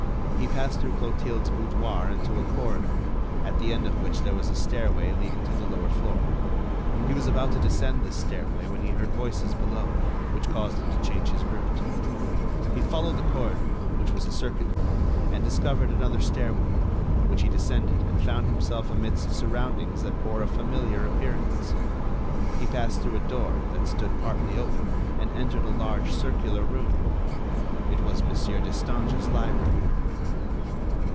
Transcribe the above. He passed through Clotilde's boudoir into a corridor, at the end of which there was a stairway leading to the lower floor; he was about to descend this stairway when he heard voices below, which caused him to change his route. He followed the corridor, which was a circular one, and discovered another stairway, which he descended and found himself amidst surroundings that bore a familiar appearance. He passed through a door that stood partly open and entered a large circular room. It was Monsieur Destange's library.